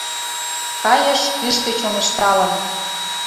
Кайыш кӱшкӧ чоҥешталын...